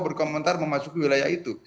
berkomentar memasuki wilayah itu